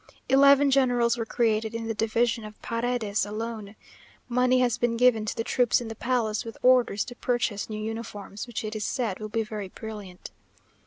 Eleven generals were created in the division of Paredes alone. Money has been given to the troops in the palace, with orders to purchase new uniforms, which it is said will be very brilliant.